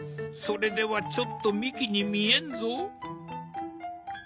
それではちょっと幹に見えんぞ。